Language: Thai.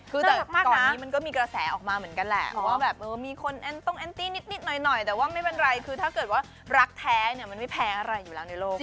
คือแต่ก่อนนี้มันก็มีกระแสออกมาเหมือนกันแหละว่าแบบมีคนแอนต้องแอนตี้นิดหน่อยแต่ว่าไม่เป็นไรคือถ้าเกิดว่ารักแท้เนี่ยมันไม่แพ้อะไรอยู่แล้วในโลก